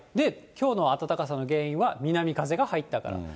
きょうの暖かさの原因は南風が入ったから。